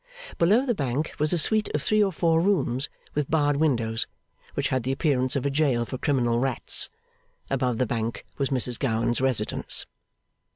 Below the Bank was a suite of three or four rooms with barred windows, which had the appearance of a jail for criminal rats. Above the Bank was Mrs Gowan's residence.